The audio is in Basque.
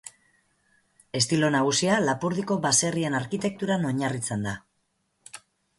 Estilo nagusia Lapurdiko baserrien arkitekturan oinarritzen da.